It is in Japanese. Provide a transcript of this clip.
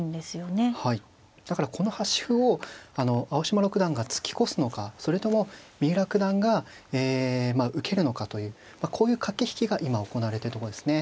だからこの端歩を青嶋六段が突き越すのかそれとも三浦九段がえまあ受けるのかというこういう駆け引きが今行われてるとこですね。